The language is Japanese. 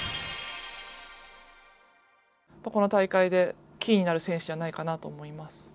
この大会でキーになる選手じゃないかなと思います。